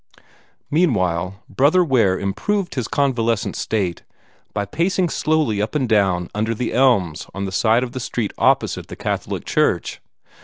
Meanwhile Brother Ware improved his convalescent state by pacing slowly up and down under the elms on the side of the street opposite the Catholic church.